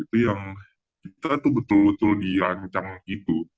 itu yang kita tuh betul betul dirancang gitu